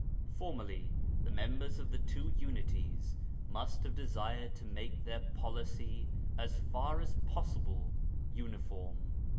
Formerly the members of the Two Unities must have desired to make their policy as far as possible uniform.